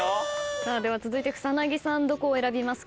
では続いて草薙さんどこを選びますか？